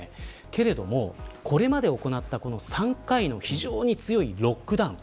けれども、これまで行った３回の非常に強いロックダウン。